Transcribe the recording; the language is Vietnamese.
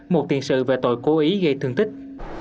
một tiền sự về tội cố ý gây thương tích